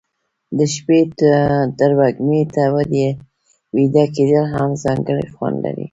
د شپې تروږمي ته ویده کېدل هم ځانګړی خوند لري.